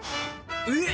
えっ！